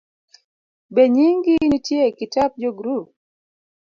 Benyingi nitie e kitap jo grup?